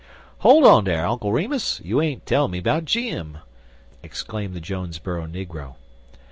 "Hol' on dar, Uncle Remus; you ain't tell me 'bout Jim," exclaimed the Jonesboro negro.